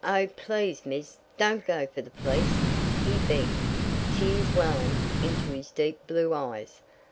"Oh please, miss, don't go for the police," he begged, tears welling into his deep blue eyes.